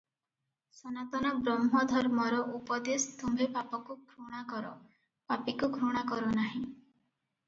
ସନାତନ ବ୍ରହ୍ମଧର୍ମର ଉପଦେଶ ତୁମ୍ଭେ ପାପକୁ ଘୃଣା କର, ପାପୀକୁ ଘୃଣା କର ନାହିଁ ।